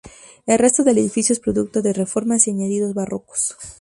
El resto del edificio es producto de reformas y añadidos barrocos.